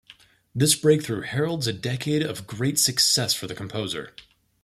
This breakthrough heralds a decade of great success for the composer.